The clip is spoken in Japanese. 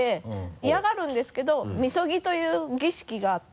嫌がるんですけど「禊ぎ」という儀式があって。